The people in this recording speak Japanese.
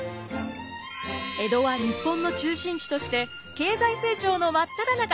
江戸は日本の中心地として経済成長の真っただ中！